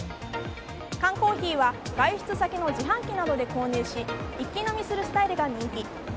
缶コーヒーは外出先の自販機などで購入し一気飲みスタイルが人気。